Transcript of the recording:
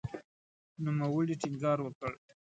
نوموړي ټینګار وکړ